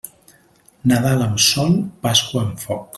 Nadal amb sol, Pasqua amb foc.